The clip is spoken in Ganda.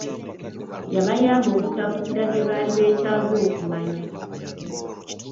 Yabayamba okutaputira bye baali beetaaga okumanya.